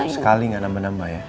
sekali nggak nambah nambah ya